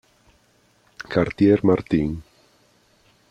Cartier Martin